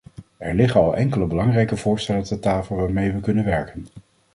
Er liggen al enkele belangrijke voorstellen ter tafel waarmee we kunnen werken.